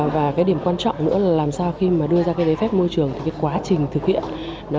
và điểm quan trọng nữa là làm sao khi đưa ra giấy phép môi trường thì quá trình thực hiện